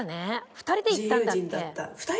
２人で行ったんだっけ？